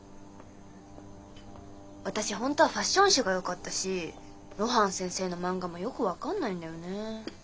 私ほんとはファッション誌がよかったし露伴先生の漫画もよく分かんないんだよねー。